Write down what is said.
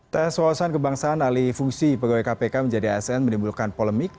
tes wawasan kebangsaan alih fungsi pegawai kpk menjadi asn menimbulkan polemik